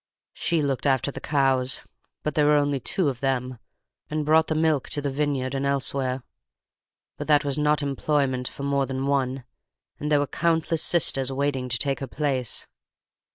She looked after the cows, but there were only two of them, and brought the milk to the vineyard and elsewhere; but that was not employment for more than one; and there were countless sisters waiting to take her place.